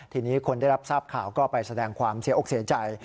ทีนี้คนได้รับทราบข่าวก็ไปแสดงความเสียอกเสียใจ